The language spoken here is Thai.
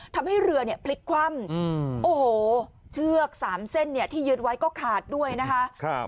ทำให้เรือเนี่ยพลิกคว่ำโอ้โหเชือก๓เส้นเนี่ยที่ยึดไว้ก็ขาดด้วยนะคะ